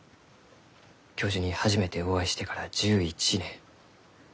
教授に初めてお会いしてから１１年。